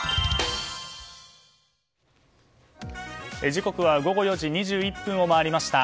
時刻は午後４時２１分を回りました。